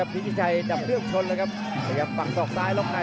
ภิกรชัยดับเลือกชนแล้วกับปากซอกซ้ายล็อกไก่